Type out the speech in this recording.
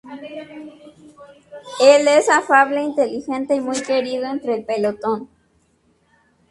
Él es afable, inteligente y muy querido entre el pelotón.